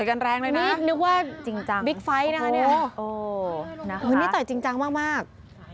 ต่อยกันแรงเลยนะนี่นึกว่าบิ๊กไฟท์น่ะนี่โอ้โฮนะคะวันนี้ต่อยจริงจังมาก